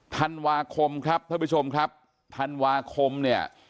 ธันวาคมครับท่านผู้ชมครับธันวาคมเนี่ย